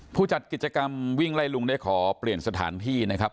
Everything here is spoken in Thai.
ผู้จัดกิจกรรมวิ่งไล่ลุงได้ขอเปลี่ยนสถานที่นะครับ